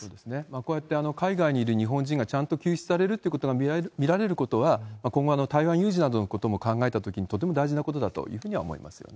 こうやって海外にいる日本人がちゃんと救出されるということが見られることは、今後、台湾有事などのことも考えたときにとても大事なことだというふうには思いますよね。